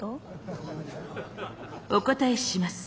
お答えします。